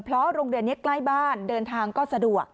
เพราะโรงเรียนนี้ใกล้บ้านเดินทางก็สะดวก